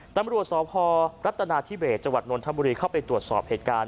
ตำรวจสพรัฐนาธิเบสจังหวัดนทบุรีเข้าไปตรวจสอบเหตุการณ์